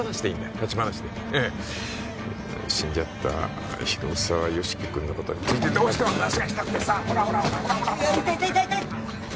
立ち話で死んじゃった広沢由樹君のことについてどうしても話がしたくてさほらほら痛い痛い痛い